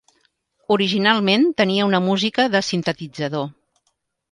Originalment tenia una música de sintetitzador.